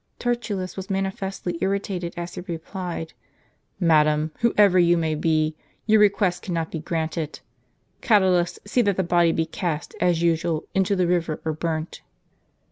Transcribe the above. Tertullus was manifestly irritated, as he replied :" Ma dam, whoever you may be, your request cannot be granted. Catulus, see that the body be cast, as usual, into the river, or burnt."